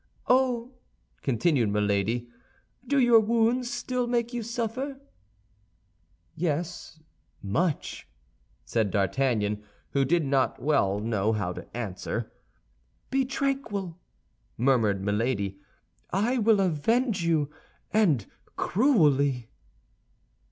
"Oh," continued Milady, "do your wounds still make you suffer?" "Yes, much," said D'Artagnan, who did not well know how to answer. "Be tranquil," murmured Milady; "I will avenge you—and cruelly!"